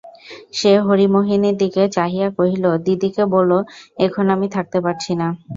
সে হরিমোহিনীর দিকে চাহিয়া কহিল, দিদিকে বোলো, এখন আমি থাকতে পারছি নে।